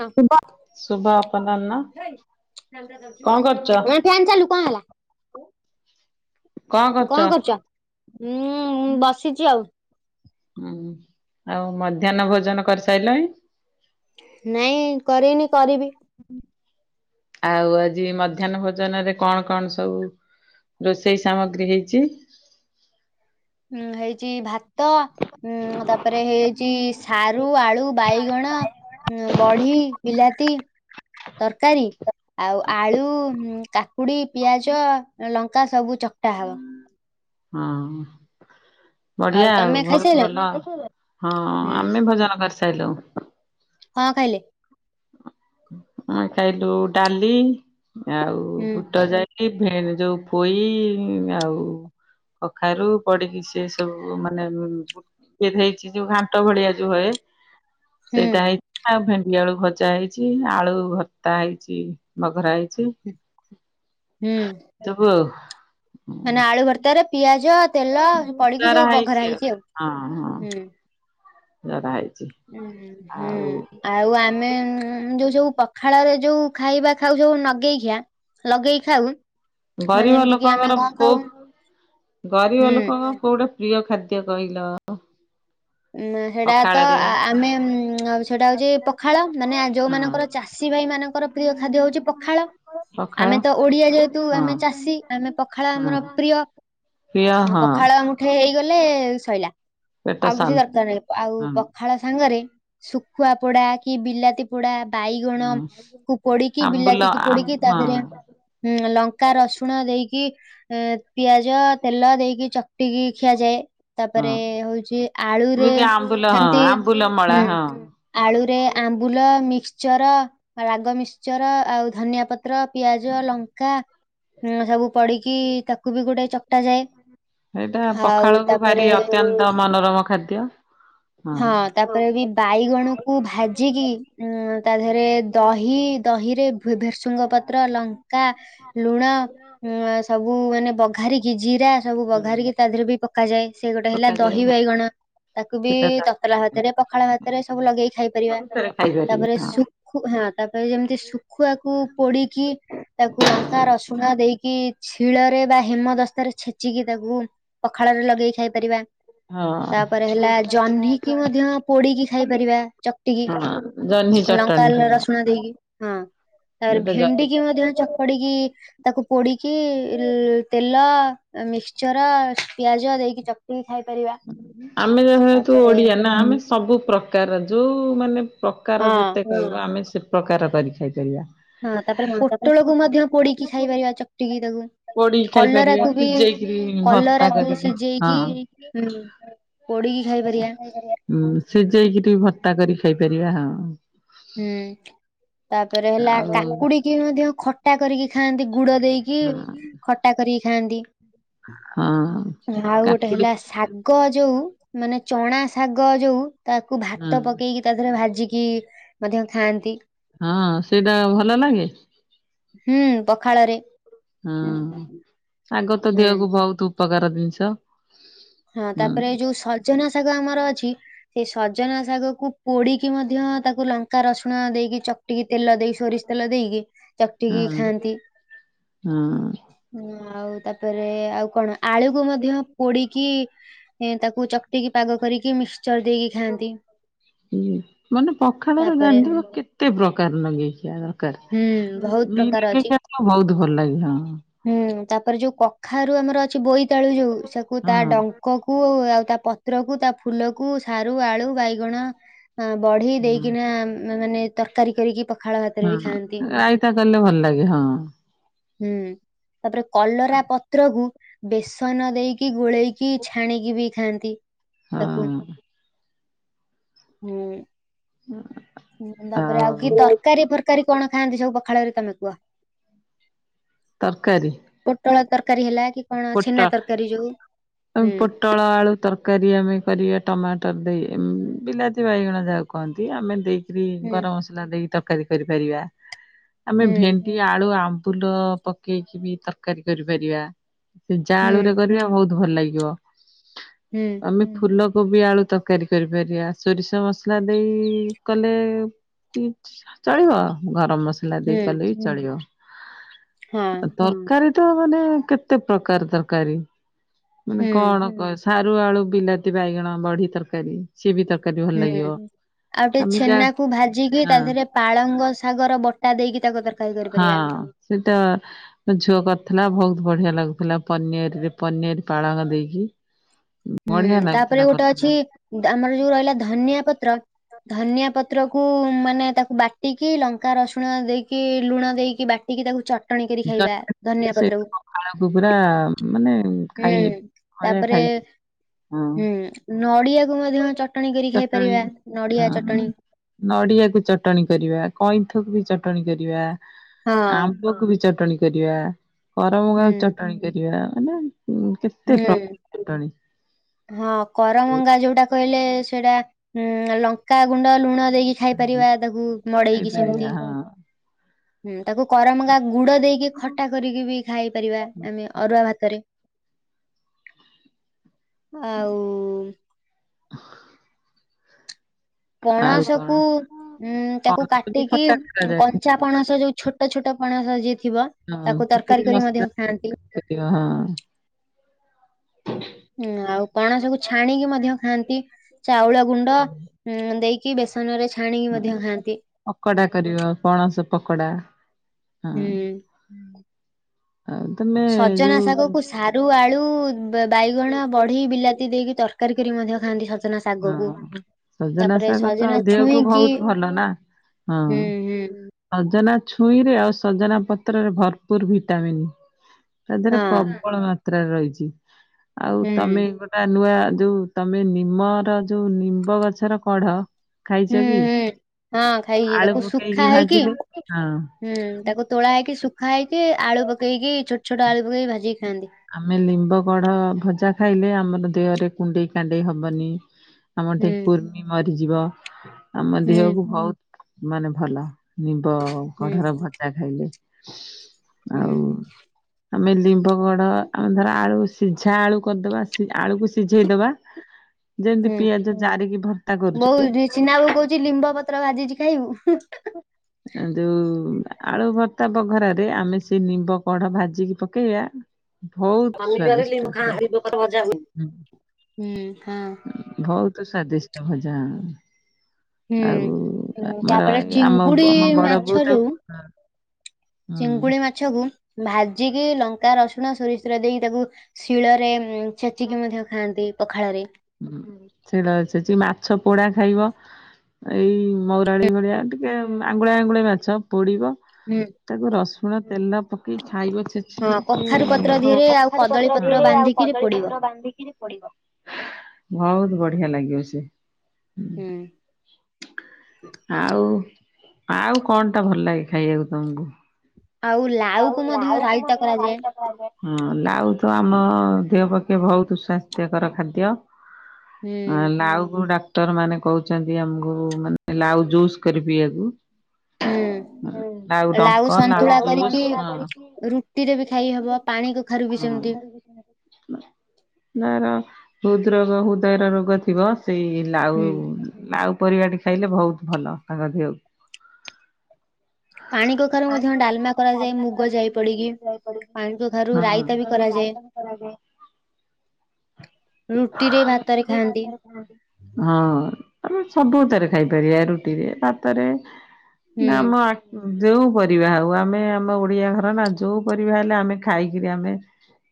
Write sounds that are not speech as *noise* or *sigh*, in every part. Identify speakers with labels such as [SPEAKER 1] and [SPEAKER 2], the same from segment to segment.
[SPEAKER 1] ନା ଉଁ।
[SPEAKER 2] ଶୁଭ ଅପରାହ୍ନ
[SPEAKER 1] ଫ୍ୟାନ୍
[SPEAKER 2] କଣ କରୁଛ
[SPEAKER 1] ଚାଲୁ କଣ ହେଲା କଣ କରୁଚ? ହୁଁଁ ମୁଁ ବସିଚି ଆଉ।
[SPEAKER 2] ହୁଁ ଆଉ ମଧ୍ୟାନ ଭୋଜନ କରିସାଇଲଣି?
[SPEAKER 1] ନାଇଁ କରିନି କରିବି।
[SPEAKER 2] ଆଉ ଆଜି ମଧ୍ୟାହ୍ନ ଭୋଜନ ରେ କଣ କଣ ସବୁ। ରୋଷେଇ ସାମଗ୍ରୀ ହେଇଚି।
[SPEAKER 1] ହୁଁ ହେଇଚି ଭାତ। ଉଁ ତାପରେ ହେଇଯାଇଚି ସାରୁ ଆଳୁ ବାଇଗଣ। ହୁଁ ବଢି ବିଲାତି। ତରକାରୀ ଆଉ ଆଳୁ କା କୁଡ଼ି ପିଆଜ ଲଙ୍କା ସବୁ ଚକ୍ଟା ହବ।
[SPEAKER 2] ହଁ ହଁ। ବଢିଆ ଆଉ
[SPEAKER 1] ତମେ
[SPEAKER 2] ବହୁତୁ
[SPEAKER 1] ଖାଇସାରିଲଣି?
[SPEAKER 2] ଭଲ ହଁ
[SPEAKER 1] ହୁଁ
[SPEAKER 2] ଆମେ ଭୋଜନ କରିସାଇଲୁ।
[SPEAKER 1] କଁ ଖାଇଲେ?
[SPEAKER 2] ଆମେ ଖାଇଲୁ ଡାଲି ଆଉ
[SPEAKER 1] ହୁଁ
[SPEAKER 2] ବୁଟ ଡା ଭେ ଯୋଉ ପୋଇ ଆଉ କଖାରୁ ପଡିକି ସେ ସବୁ ମାନେ ହେଇଛି ଯୋଉ ଘାଣ୍ଟ ଭଳିଆ ଯୋଉ ହୁଏ।
[SPEAKER 1] ହୁଁ
[SPEAKER 2] ସେଇଟା ହେଇଛି ଆଉ ଭେଣ୍ଡି ଆଳୁ ଭଜା ହେଇଛି ଆଳୁ ଭତ୍ତା ହେଇଛି। ମ ଘର ହେଇଛି
[SPEAKER 1] ହୁଁ
[SPEAKER 2] ସବୁ
[SPEAKER 1] ମାନେ ଆଳୁ ଭର୍ତ୍ତରେ ପିଆଜ ତେଲ ପଡିକି ସବୁ ବଘରା ହେଇଛି ଆଉ ହୁଁ।
[SPEAKER 2] ଲଗା ହେଇଛି।
[SPEAKER 1] ହୁଁ ହୁଁ।
[SPEAKER 2] ଆଉ
[SPEAKER 1] ଆଉ ଆମେ ଯୋଉ ସବୁ ପଖାଳରେ ଯୋଉ ଖାଇବା ଖାଉ ସବୁ ନଗେଇ ଖିଆ ଲଗେଇ ଖାଉ। ମାନେ
[SPEAKER 2] ଗରିବ
[SPEAKER 1] ଯେମିତି କିି ଆମେ
[SPEAKER 2] ଲୋକଙ୍କର
[SPEAKER 1] କଣ
[SPEAKER 2] କୋଉ
[SPEAKER 1] ଖାଉ
[SPEAKER 2] ଗରିବ
[SPEAKER 1] ହୁଁ
[SPEAKER 2] ଲୋକଙ୍କ କୋଉଟେ ପ୍ରିୟ ଖାଦ୍ୟ କହିଲ?
[SPEAKER 1] ଉ ସେଟା ତ
[SPEAKER 2] ପଖାଳରେ ହଁ
[SPEAKER 1] ଆମେ ସେଇଟା ହଉଛି ପଖାଳ ମାନେ ଯୋଉମାନଙ୍କର ଚାଷ ଷୀ ଭାଇମାନଙ୍କର ପ୍ରିୟ ଖାଦ୍ୟ ହେଉଛି ପଖାଳ।
[SPEAKER 2] ପଖାଳ
[SPEAKER 1] ଆମେ ତ ଓଡିଆ ଯେହେତୁ
[SPEAKER 2] ହଁ।
[SPEAKER 1] ଆମେ ଚାଷୀ ଆମେ ପଖାଳ
[SPEAKER 2] ହଁ
[SPEAKER 1] ଆମର ପ୍ରିୟ।
[SPEAKER 2] ପ୍ରିୟ ହଁ
[SPEAKER 1] ପଖାଳ ମୁଠେ ହେଇଗଲେ ଶଇଲା।
[SPEAKER 2] ପେଟ
[SPEAKER 1] ଆଉ କିଛି
[SPEAKER 2] ଶାନ୍ତି
[SPEAKER 1] ଦରକାର ନାହିଁ ଆଉ
[SPEAKER 2] ହଁ
[SPEAKER 1] ପଖାଳ ସାଙ୍ଗରେ ଶୁଖୁଆ ପୋଡା କି ବିଲାତି ପୋଡା ବାଇଗଣ
[SPEAKER 2] ହଁ
[SPEAKER 1] କୁ ପୋଡିକି
[SPEAKER 2] ଆମ୍ବୁଲ
[SPEAKER 1] ବିଲାତିକି
[SPEAKER 2] ଆମ୍
[SPEAKER 1] ପୋଡିକି ତା
[SPEAKER 2] ହଁ
[SPEAKER 1] ଦେହରେ ହୁଁ ଲଙ୍କା ରସୁଣ ଦେଇକି ଏ ପିଆଜ ତେଲ ଦେଇକି ଚଟିକି ଖିଆଯାଏ ତାପରେ
[SPEAKER 2] ହଁ।
[SPEAKER 1] ହଉଛି ଆଳୁରେ
[SPEAKER 2] ଯେମିତି ଆମ୍ବୁଲ ହଁ
[SPEAKER 1] ଏମିତି
[SPEAKER 2] ଆମ୍ବୁଲ ମଳା
[SPEAKER 1] ହୁଁ।
[SPEAKER 2] ହଁ
[SPEAKER 1] ଆଳୁରେ ଆମ୍ବୁଲ ମିକ୍ସଚର ରାଗ ମିକ୍ସଚର ଆଉ ଧନିଆ ପ ପତ୍ର ପିଆଜ ଲଙ୍କା ସବୁ ପଡିକି ତାକୁ ବି ଗୋଟେ ଚକ୍ଟା ଯାଏ।
[SPEAKER 2] ଏଇଟା
[SPEAKER 1] ଆଉ
[SPEAKER 2] ପଖାଳକୁ ଭାରି
[SPEAKER 1] ତାପରେ
[SPEAKER 2] ଅତ୍ୟନ୍ତ ମନୋରମ ଖାଦ୍ୟ।
[SPEAKER 1] ହଁ ତା ତାପରେ ବି ବାଇଗଣକୁ ଭାଜିକି ଉ ତା ଦେରେ ଦହି ଦହିରେ ଭେରସୁଙ୍ଗ ପତ୍ର ଲଙ୍କା ଲୁଣ ସବୁ ମାନେ ବଘାରି କି ଜିରା ସବୁ ବଘହାରିକି ତା ଦେହରେ ବି ପକାଯାଏ ସେ ଗୋଟେ ହେଲା
[SPEAKER 2] ପକାଯାଏ
[SPEAKER 1] ଦହି ବାଇଗଣ ତାକୁ ବି
[SPEAKER 2] ସେଟା ତ
[SPEAKER 1] ପଲା ହାତରେ ପଖାଳ ହାତରେ ସବୁ ଲଗେଇି ଖାଇ ପାରିବା
[SPEAKER 2] ରେ ଖାଇପାରିବେ
[SPEAKER 1] ତାପରେ
[SPEAKER 2] ହଁ।
[SPEAKER 1] ସୁ ହଁ ତାପରେ ଯେମିତି ଶୁଖୁଆକୁ ପୋଡିକି ତାକୁ ଲଙ୍କା ରସୁଣ ଦେଇକି ଶିଳରେ ବା ହେିମ ଦସ୍ତାରେ ଛେଚିକି ତାକୁ ପଖାଳରେ ଲଗେଇକି ଖାଇପାରିବା
[SPEAKER 2] ହଁ
[SPEAKER 1] ତାପରେ ହେଲା ଜହ୍ନି କି ମଧ୍ୟ ପୋଡିକି ଖାଇ ପାରିବା ଚକଟିକି
[SPEAKER 2] ହଁ ଜହ୍ନି
[SPEAKER 1] ଲଙ୍କା
[SPEAKER 2] ଚଟଣି ହଁ
[SPEAKER 1] ରସୁଣ ଦେଇକି ହଁ ତାପରେ
[SPEAKER 2] ଯୋଉଟା ଜହ୍ନି
[SPEAKER 1] ଭେଣ୍ଡି କିି ମଧ୍ୟ ଚକଡିକି ତାକୁ ପୋଡିକି ତେଲ ମିକ୍ସଚର ପିଆଜ ଦେଇକି ଚ କି ଖାଇପାରିବା।
[SPEAKER 2] ଆମେ ଯେହେତୁ
[SPEAKER 1] ତାପରେ
[SPEAKER 2] ଓଡିଆ ନା ଆମେ ସବୁ ପ୍ରକାର ଯୋଉ ମାନେ ପ୍ରକାର
[SPEAKER 1] ହଁ
[SPEAKER 2] ଯେତେ କହିବ ଆମେ ସେ ପ୍ରକାର କରି ଖାଇପାରିବା।
[SPEAKER 1] ହଁ ତାପରେ ପୋଟଳକୁ ମଧ୍ୟ ପୋଡିକି ଖାଇ ପାରିବା ଚଟିକି ତାକୁ
[SPEAKER 2] ପୋଡି ଖାଇପାରିବା
[SPEAKER 1] କଲରାକୁ ବି
[SPEAKER 2] ସିଝେଇକିରି ଭର୍ତ୍ତା
[SPEAKER 1] କଲରାକୁ
[SPEAKER 2] କରିକି
[SPEAKER 1] ସିଝେଇକି ହୁଁ ପୋଡ଼ିିକି
[SPEAKER 2] ହଁ ସି ଯାଇକି ଟିକେ ଭତ୍ତା କରି ଖାଇପାରିବା ହଁ।
[SPEAKER 1] ହୁଁ। ତାପରେ ହେଲା
[SPEAKER 2] ଆଉ
[SPEAKER 1] କାକୁଡିକି ମଧ୍ୟ ଖଟା କରିକି ଖାଆନ୍ତି ଗୁଡ ଦେଇକି
[SPEAKER 2] ହଁ
[SPEAKER 1] ଖ ଟା କରିକି ଖାଆନ୍ତି
[SPEAKER 2] ହଁ
[SPEAKER 1] ଆଉ ଗୋଟେ
[SPEAKER 2] କାକୁଡି
[SPEAKER 1] ହେଲା ଶାଗ ଶାଗ ଯୋଉ ମାନେ ଚଣା ଶାଗ ଯୋଉ ତାକୁ
[SPEAKER 2] ହଁ
[SPEAKER 1] ଭାତ ପକେଇକି ତା ଦେହରେ ଭାଜିକି ମଧ୍ୟ ଖାଆନ୍ତି।
[SPEAKER 2] ହଁ ସେଇଟା ଭଲ ଲାଗେ?
[SPEAKER 1] ହୁଁ ପଖାଳରେ।
[SPEAKER 2] ହୁଁ ଆଗ ତ
[SPEAKER 1] ହୁଁ
[SPEAKER 2] ଦେହକୁ ବହୁତୁ ଉପକାର ଜିନିଷ।
[SPEAKER 1] ହଁ
[SPEAKER 2] ହୁଁ
[SPEAKER 1] ତାପରେ ଯୋଉ ସଜନା ଶାଗ ଆମର ଅଛି ସେ ସଜନା ଶାଗ କୁ ପୋଡିକି ମଧ୍ୟ ତାକୁ ଲାଙ୍କା ରସୁଣ ଦେଇକି ଚକଟିକି ତେଲ ଦେଇ ସୋରିଷ ତେଲ ଦେଇକି ଚକଟିକି
[SPEAKER 2] ହଁ
[SPEAKER 1] ଖାଆନ୍ତି।
[SPEAKER 2] ହଁ
[SPEAKER 1] ଆଉ ତାପରେ ଆଉ କଣ? ଆଳୁକୁ ମଧ୍ୟ ପୋଡିି କି ତାକୁ ଚକଟିକି ପାଗ କରିକି ମି ଖାଆନ୍ତି।
[SPEAKER 2] ମାନେ ପଖାଳରେ
[SPEAKER 1] ତାପରେ
[SPEAKER 2] ରାନ୍ଧିବୁ କେତେ ପ୍ରକାର ଲଗେଇକି ଦରକାର।
[SPEAKER 1] ହୁଁ ବହୁତ
[SPEAKER 2] ବି
[SPEAKER 1] ପ୍ରକାର
[SPEAKER 2] ଲଗେଇ
[SPEAKER 1] ଅଛି
[SPEAKER 2] ଖାଦ୍ୟ ବହୁତ ଭଲ ଲାଗେ ହଁ।
[SPEAKER 1] ହୁଁ ତାପରେ ଯୋଉ କଖାରୁ ଆମର ଅଛି ବୋଇତାଳୁ ଯୋଉ ସେକୁ ତା
[SPEAKER 2] ହଁ
[SPEAKER 1] ଡଙ୍କ କୁ କୁ ଆଉ ତା ପତ୍ର କୁ ତା ଫୁଲ କୁ ସାରୁ ଆଳୁ ବାଇଗଣ ବଢି
[SPEAKER 2] ହଁ
[SPEAKER 1] ଦେଇକିନା ମାନେ ତରକାରୀ କରିକି ପଖାଳ ଭାତରେ
[SPEAKER 2] ହଁ
[SPEAKER 1] ବି ଖାଆନ୍ତି।
[SPEAKER 2] ହଁ ରାଇତା କଲେ ଭଲ ଲାଗେ ହଁ।
[SPEAKER 1] ହୁଁ ତାପରେ କଲରା ପତ୍ରକୁ ବେସନ ଦେଇକି ଗୋଳେଇକି ଛାଣିକି ବି ଖାଆନ୍ତି ତାକୁ।
[SPEAKER 2] ହଁ
[SPEAKER 1] ହୁଁ।
[SPEAKER 2] ହୁଁ।
[SPEAKER 1] ତାପରେ ଆଉ କି ତରକାରୀ ଫରକାରୀ କଣ ଖାଆନ୍ତି ସବୁ ପଖାଳରେ ତମେ କୁହ?
[SPEAKER 2] ତରକାରୀ?
[SPEAKER 1] ପୋଟଳ ତରକାରୀ ହେଲା କି କଣ ଛେନା
[SPEAKER 2] ପୋଟଳ
[SPEAKER 1] ତରକାରୀ ଯୋଉ
[SPEAKER 2] ଆମେ
[SPEAKER 1] ହୁଁ
[SPEAKER 2] ପୋଟଳ ଆଳୁ ତରକାରୀ ଆମେ କରିବା ଟମାଟର ଦେଇ ବିଲାତି ବାଇଗଣ ଯାହାକୁ କହନ୍ତି। ଆମେ ଦେଇ ଦେଇ
[SPEAKER 1] ହୁଁ
[SPEAKER 2] ଗରମ ମସଲା ଦେଇକି ତରକାରୀ କରିପାରିବା। ଆମେ
[SPEAKER 1] ହୁଁ
[SPEAKER 2] ଭେଣ୍ଡି ଭେଣ୍ଡି ଆଳୁ ଆମ୍ବୁଲ ପକେଇକି ବି ତରକାରୀ କରିପାରିବା। ସିଜା
[SPEAKER 1] ହୁଁ
[SPEAKER 2] ଆଳୁ ରେ କରିବା ବହୁତ ଭଲ ଲାଗିବ।
[SPEAKER 1] ହୁଁ।
[SPEAKER 2] ଆମେ ଫୁଲ କୋବି ଆଳୁ ତରକାରୀ କରିପାରିବା। ସୋରିଷ ମସଲା ଦେଇ କଲେ ଚଳିବ। ଗରମ ମସଲା ମସଲା ଦେଇ
[SPEAKER 1] ହୁଁ
[SPEAKER 2] କଲେ ବି ଚଳିବ।
[SPEAKER 1] ହଁ
[SPEAKER 2] ଆଉ ତରକାରୀ ତ ମାନେ କେତେ କେତେ ପ୍ରକାର ତରକାରୀ ମାନେ
[SPEAKER 1] ହୁଁ।
[SPEAKER 2] କଣ କ ସାରୁ, ଆଳୁ, ବିଲାତି ବାଇଗଣ, ବଢ଼ି ତରକାରୀ। ସିଏବି ତରକାରୀ ଭଲ
[SPEAKER 1] ହୁଁ।
[SPEAKER 2] ଲାଗିବ।
[SPEAKER 1] ଆଉ ଟିକେ
[SPEAKER 2] ଆମେ ଯା
[SPEAKER 1] ଛେନାକୁ ଭାଜିକି ତା ଦେହରେ
[SPEAKER 2] ହଁ
[SPEAKER 1] ପାଳଙ୍ଗ ଶାଗର ବଟା ଦେଇକି ତାକୁ ତର
[SPEAKER 2] ହଁ। ସେଟା ମୋ ଝିଅ କରିଥିଲା ଭଉତୁ ବଢିଆ ଲାଗୁଥିଲା ପନିଆରିରେ ପନିଅରି ପାଳଙ୍ଗ ଦେଇକି।
[SPEAKER 1] ହୁଁ
[SPEAKER 2] ବଢିଆ
[SPEAKER 1] ତାପରେ
[SPEAKER 2] ଲାଗୁଥିଲା
[SPEAKER 1] ଗୋଟେ
[SPEAKER 2] କରିଥିଲା।
[SPEAKER 1] ଅଛି ଆମର ଯୋଉ ରହିଲା ଧନିଆ ପତ୍ର ଧନିଆ ପତ୍ରକୁୁ ମାନେ ତାକୁ ବାଟିକି ଲଙ୍କା ରସୁଣ ଦେଇକି ଲୁଣ ଦେଇକି ବା ବାଟିକି ତାକୁ ଚଟଣୀ କରି ଖାଇବା ଧନିଆ ପତ୍ରକୁ।
[SPEAKER 2] ଆଳକୁ ପୁରା ମାନେ ଖାଇ
[SPEAKER 1] ହୁଁ
[SPEAKER 2] ଖଳିଆ
[SPEAKER 1] ତାପରେ
[SPEAKER 2] ଖାଇ ହଁ
[SPEAKER 1] ହୁଁ ନଡିଆକୁ ମଧ୍ୟ ଚଟଣି କରି
[SPEAKER 2] ଚଟଣି
[SPEAKER 1] ଖାଇପାରିବା ନଡିଆ
[SPEAKER 2] ହଁ
[SPEAKER 1] ଚଟଣୀ।
[SPEAKER 2] ନଡିଆକୁ ଚଟଣି କରିବା କଇଁଥକୁ ବି ଚଟଣି କରିବା।
[SPEAKER 1] ହଁ
[SPEAKER 2] ଆମ୍ବକୁ ବି ଚଟଣି କରିବା। କରମଙ୍ଗା
[SPEAKER 1] ହୁଁ
[SPEAKER 2] ଚଟଣି କରିବା। ମାନେ କେତେ
[SPEAKER 1] ହୁଁ।
[SPEAKER 2] ପ୍ରକାର ଚଟଣି
[SPEAKER 1] ହଁ କରମଙ୍ଗା ଯୋଉଟା କହିଲେ ସେଇଟା ଉ ଲଙ୍କାଗୁଣ୍ଡ ଲୁଣ ଦେଇକି ଖାଇ ପାରିବା ତାକୁ ମଡେଇକି ସେମିତି।
[SPEAKER 2] ଖାଇପାରିବା ହଁ
[SPEAKER 1] ହୁଁ। ତାକୁ କରମଙ୍ଗା ଗୁଡ ଦେଇକି ଖଟା କରିକି ବି ଖାଇ ପାରିବା ଆମେ ଅରୁଆ ଭାତରେ। ଆଉ,
[SPEAKER 2] ଆଉ
[SPEAKER 1] ପଣସ
[SPEAKER 2] କଣ
[SPEAKER 1] କୁ ଉ ତାକୁ
[SPEAKER 2] ପଣସ ବି
[SPEAKER 1] କାଟିକି
[SPEAKER 2] ଖଟା କରାଯାଏ
[SPEAKER 1] କଞ୍ଚା ପଣସ ଯୋଉ ଛୋଟ ଛୋଟ ଛୋଟ ପଣସ ଯିଏ ଥିବ ତାକୁ ତରକାରୀ କରି ମଧ୍ୟ ଖାଆନ୍ତି।
[SPEAKER 2] ସେତିକ ହଁ।
[SPEAKER 1] ହଁ ଆଉ ପଣସକୁୁ ଛାଣିକି ମଧ୍ୟ ଖାଆନ୍ତି। ଚାଉଳ ଗୁଣ୍ଡ ଦେଇକି କି ବେସନରେ ଛାଣିକି ମଧ୍ୟ ଖାଆନ୍ତି।
[SPEAKER 2] ପକୋଡା କରିବ ପଣସ ପକୋଡା। ହଁ
[SPEAKER 1] ହୁଁ।
[SPEAKER 2] ଆଉ ତମେ
[SPEAKER 1] ସଜନା
[SPEAKER 2] ଯୋଉ
[SPEAKER 1] ଶାଗକୁ ସାରୁ ଆଳୁ ବାଇଗଣ ବଢି ବିଲାତି ଦେଇକି ତରକାରୀ କରି ମଧ୍ୟ ଖାଆନ୍ତି ସଜନା ଶାଗକୁ।
[SPEAKER 2] ହଁ ସଜନା
[SPEAKER 1] ତାପରେ
[SPEAKER 2] ଶାଗ ତ
[SPEAKER 1] ସଜନା
[SPEAKER 2] ଦେହକୁ
[SPEAKER 1] ଛୁଇଁକି
[SPEAKER 2] ବହୁତ ଭଲ ନା। ହଁ।
[SPEAKER 1] ହୁଁ ହୁଁ
[SPEAKER 2] ସଜନା ଛୁଇଁରେ ଆଉ ସଜନା ପତ୍ରରେ ଭରପୁର ଭିଟାମିନ୍। ତା ଦେହାର
[SPEAKER 1] ହଁ
[SPEAKER 2] ପ୍ରବଳ ମାତ୍ରାରେ ରହିଛି। ଆଉ
[SPEAKER 1] ହୁଁ
[SPEAKER 2] ତମେ ଗୋଟା ନୂଆ ଯୋଉ ତମେ ନିମର ଯୋଉ ନିମ୍ବ ଗଛର କଢ ଖାଇଛ
[SPEAKER 1] ହୁଁ
[SPEAKER 2] କି
[SPEAKER 1] ହୁଁ ହଁ ଖାଇଛି
[SPEAKER 2] ଆଳୁ
[SPEAKER 1] ତାକୁ ଶୁଖା
[SPEAKER 2] ପକେଇକି
[SPEAKER 1] ହେଇକି
[SPEAKER 2] ଭାଜିଲେ ହଁ
[SPEAKER 1] ହୁଁ ତାକୁ ତୋଳା ହେଇକି ଶୁଖା ହେଇକି ଆଳୁ ପକେଇକି ଛୋଟ ଛୋଟ ଆଳୁ ପକେଇକି ଭାଜିକି ଖାଆନ୍ତି
[SPEAKER 2] ଆମେ ଲିମ୍ବ କଢ ଭଜା ଖାଇଲେ ଆମର ଦେହରେ କୁଣ୍ଡେଇ କାଣ୍ଡେଇ ହବନି ଆମଠି
[SPEAKER 1] ହୁଁ
[SPEAKER 2] କୁର୍ମି ମରିଯିବ ଆମ
[SPEAKER 1] ହୁଁ
[SPEAKER 2] ଦେହକୁ ବହୁତ ମାନେ ଭଲ ନିମ୍ବ
[SPEAKER 1] ହୁଁ
[SPEAKER 2] କଢାର ଭଜା ଖାଇଲେ ଆଉ
[SPEAKER 1] ହୁଁ
[SPEAKER 2] ଆମେ ଲିମ୍ବ କଢ଼ ଆମେ ଧର ଆଳୁ ସିଝା ଆଳୁ କରିଦବା ସ ଆଳୁକୁ ସିଝେଇଦବା ଯେମିତି
[SPEAKER 1] ହୁଁ
[SPEAKER 2] ପିଆଜ ଜାରିକି ଭର୍ତ୍ତା କରୁ
[SPEAKER 1] ବଉ ରିଚିହ୍ନା ବହୁ କହୁଛି ଲିମ୍ବ ପତ୍ର ଭାଜିଛି ଖାଇବୁ
[SPEAKER 2] ଯୋଉ ଆଳୁ ଭର୍ତ୍ତା ବଘରରେ ଆମେ ସେ ନିମ୍ବ କଢ ଭାଜିକି ପକେଇବା ବହୁତ
[SPEAKER 1] ଶନିବାରିଲି
[SPEAKER 2] ସ୍ଵାଦିଷ୍ଟ ପୁରା।
[SPEAKER 1] ଖାଁିବକାର ମଜାଁଁ *inaudible*
[SPEAKER 2] ବହୁତ ସ୍ଵାଦିଷ୍ଟ ଭଜା
[SPEAKER 1] ହୁଁ
[SPEAKER 2] ଆଉ
[SPEAKER 1] ଉଁ,
[SPEAKER 2] ଆମର
[SPEAKER 1] ତାପରେ
[SPEAKER 2] ଆମ
[SPEAKER 1] ଚିଙ୍ଗୁଡି
[SPEAKER 2] ଆମ ବଡ ବୋଉ ତାକୁ
[SPEAKER 1] ଚିଙ୍ଗୁଡ଼ି ମା ମାଛକୁ ଭାଜିକି ଲଙ୍କା ରସୁଣ ସୋରିଷ ତେଲ ଦେଇକି ତାକୁ ଶିଳରେ ଛେଚିକି ମଧ୍ୟ ଖାଆନ୍ତି ପଖାଳ ରେ
[SPEAKER 2] ହୁଁ ଶିଳରେ ଛେଛି ମାଛ ପୋଡା ଖାଇବ ଏଇ ମରାଳି ଭଳିଆ ଟିକେ ଆଙ୍ଗୁଳା ଆଙ୍ଗୁଳି ମାଛ ପୋଡିବ
[SPEAKER 1] ହୁଁ
[SPEAKER 2] ତାକୁ ରସୁଣ ତେଲ ପକେଇି ଖାଇବ ଛେ
[SPEAKER 1] ହଁ କଖାରୁ ପତ୍ର
[SPEAKER 2] ହଁ
[SPEAKER 1] ଦେହରେ ଆଉ
[SPEAKER 2] କଖାରୁ
[SPEAKER 1] କଦଳୀ
[SPEAKER 2] ପତ୍ର ଥିରେ ଆଉ
[SPEAKER 1] ବାନ୍ଧିକିରି
[SPEAKER 2] କଦଳୀ
[SPEAKER 1] ପୋଡିବ
[SPEAKER 2] ବାନ୍ଧି କରି ପଢିବ ବହୁତ ବଢିଆ ଲାଗିବ ସେ
[SPEAKER 1] ହୁଁ।
[SPEAKER 2] ଆଉ ଆଉ କଣ ଟା ଭଲ ଲାଗେ ଖାଇବାକୁ ତମକୁ।
[SPEAKER 1] ହଉ *unintelligible* ଲା
[SPEAKER 2] ଆଉ ଲାଉକୁ ମଧ୍ୟ ରାଇତା କରାଯାଏ। ହଁ ଲାଉ ତ ଆମ ଦେହ ପକ୍ଷେ ବହୁତ ସ୍ଵାସ୍ଥ୍ୟକର ଖାଦ୍ୟ।
[SPEAKER 1] ହୁଁ *inaudible*
[SPEAKER 2] ଲାଉ କୁ ଡାକ୍ତର ମାନେ କହୁଛନ୍ତି ଆମକୁ ମାନେ ଲାଉ ଜୁସ୍ କରି ପିଇବାକୁ।
[SPEAKER 1] ହୁଁ
[SPEAKER 2] ଡଙ୍କ
[SPEAKER 1] ଲାଉ ସନ୍ତୁଳା
[SPEAKER 2] ଜୁସ୍
[SPEAKER 1] କରିକି।
[SPEAKER 2] ହଁ।
[SPEAKER 1] ରୁଟି ରେ ବି ଖାଇ ହବ ପାଣି କଖାରୁ ବି ସେମିତି।
[SPEAKER 2] *inaudible* ଯାର ହୃଦ ରୋଗ ହୃଦୟର ରୋଗ ଥିବ ସେଇ। ଲାଉ
[SPEAKER 1] ହୁଁ।
[SPEAKER 2] ଲାଉ ପରିବାଟି ଖାଇଲେ ବହୁତ ଭଲ ତାଙ୍କ ଦେହକୁ।
[SPEAKER 1] ପାଣି କଖାରୁ ମଧ୍ୟ ଡାଲମା।
[SPEAKER 2] ଡାଲି
[SPEAKER 1] ମୁଗ
[SPEAKER 2] କରାଯାଏ
[SPEAKER 1] ଯାଇ
[SPEAKER 2] ମୁଁ
[SPEAKER 1] ପଡିକି
[SPEAKER 2] ସ୍କୁ ଯାଇ
[SPEAKER 1] ପାଣି କଖାରୁ ରାଇତା ବି କରାଯାଏ।
[SPEAKER 2] ପଡିବିାଇସ କରାଯାଏ
[SPEAKER 1] ରୁଟିରେ
[SPEAKER 2] *inaudible*
[SPEAKER 1] ଭାତରେ
[SPEAKER 2] ଏି ବି
[SPEAKER 1] ଖାଆନ୍ତି
[SPEAKER 2] ବାାତରେ କଣନ୍ତି *inaudible* ହଁ ଆମେ ସବୁଥିରେ ଖାଇପାରିବା ରୁଟିରେ ଭାତରେ
[SPEAKER 1] ହୁଁ
[SPEAKER 2] ଆମ। ଯେଉ ପରିବା ହୋଉ ଆମେ। ଆମ ଓଡିଆ ଘର ନା ଯୋଉ ପରିବା ହେଲେ ଆମେ ଖାଇକିରି ଆମେ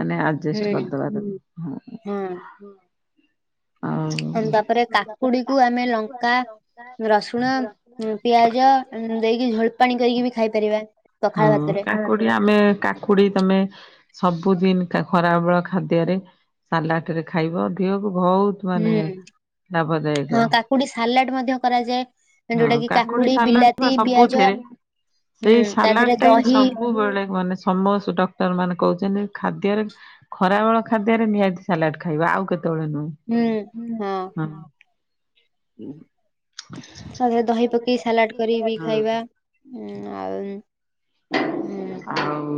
[SPEAKER 2] ମାନେ। ଆଜେଷ୍ଟ୍
[SPEAKER 1] ହୁଁ
[SPEAKER 2] କରିଦବା। ଆଉ
[SPEAKER 1] ତାପରେ କାକୁଡି କୁ ଆମେ ଲଙ୍କା ରସୁଣ। ପିଆଜ ଦେଇକି ଝୋଳପାଣି କରିକି ବି ଖାଇ ପାରିବା।
[SPEAKER 2] ହଁ କାକୁଡି ଆମେ କା। କାକୁଡି ତମେ ସବୁଦିନ ଖରାବେଳ ଖାଦ୍ୟରେ ସାଲାଟରେ ଖାଇବ। ଦେହକୁ ବହୁତ
[SPEAKER 1] ହୁଁ
[SPEAKER 2] ମାନେ। ଲାଭଦାୟକ
[SPEAKER 1] ହଁ କାକୁଡି ସାଲାଟ୍ ମଧ୍ୟ କରାଯାଏ
[SPEAKER 2] ହଁ
[SPEAKER 1] ଯୋଉଟା କି କାକୁଡି
[SPEAKER 2] ସାଲାଡ ବା
[SPEAKER 1] ବିଲାତି ପିଆଜ।
[SPEAKER 2] ସବୁଥିରେ
[SPEAKER 1] ହୁଁ
[SPEAKER 2] ସେଇ
[SPEAKER 1] ତା ଦେହରେ
[SPEAKER 2] ସାଲାଟ୍ ଟା ହିଁ
[SPEAKER 1] ଦହି
[SPEAKER 2] ସବୁ। ମାନେ ସମସ୍ତେ ଡକ୍ଟର ମାନେ କହୁଛନ୍ତି ଖାଦ୍ୟରେ। ଖରାବେଳ ଖାଦ୍ୟରେ ନିହାତି ସାଲାଟ୍ ଖାଇବା ଆଉ କେତେବେଳେ ନୁହେଁ।
[SPEAKER 1] ହୁଁ।
[SPEAKER 2] ହଁ। *inaudible*
[SPEAKER 1] ତା ପରେ ଦହି ପକେଇ ସାଲାଟ୍ କରିକି ବିି
[SPEAKER 2] ହଁ
[SPEAKER 1] ଖାଇବା। ହୁଁ ଆଉ ହୁଁ।
[SPEAKER 2] ଆଉ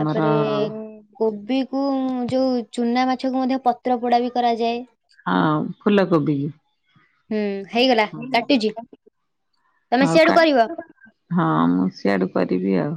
[SPEAKER 2] ଆମର।
[SPEAKER 1] କୋବିକୁ ଯୋଉ ଚୁନା ମାଛକୁ ମଧ୍ୟ ପତ୍ର ପୋଡା ବି କରାଯାଏ।
[SPEAKER 2] ହଁ ଫୁଲକୋବି କି।
[SPEAKER 1] ହୁଁ ହେଇଗଲା କାଟୁଛି ତମେ
[SPEAKER 2] ଆଉ କା
[SPEAKER 1] ସିଆଡୁ କରିବ।
[SPEAKER 2] ହଁ ମୁଁ ସିଆଡୁ କରିବି ଆଉ।